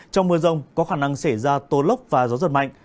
trong mưa rông có khả năng xảy ra tố lốc và gió giật mạnh